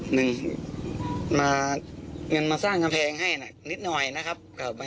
หนึ่งมาเงินมาสร้างกำแพงให้นิดหน่อยนะครับ